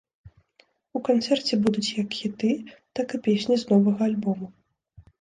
У канцэрце будуць як хіты, так і песні з новага альбому.